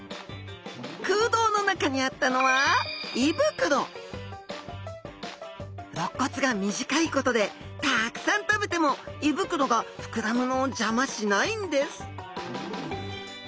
空洞の中にあったのはろっ骨が短いことでたくさん食べても胃袋が膨らむのを邪魔しないんです